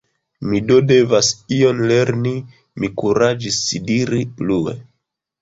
Mi do devas ion lerni, mi kuraĝis diri plue.